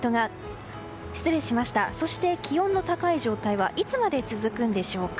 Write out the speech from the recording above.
そして、気温の高い状態はいつまで続くんでしょうか。